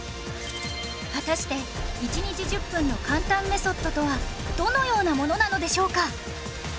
果たして１日１０分の簡単メソッドとはどのようなものなのでしょうか？